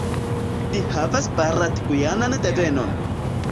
Li havas barat-gujanan devenon.